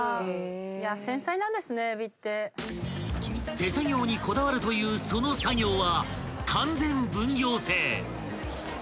［手作業にこだわるというその作業は］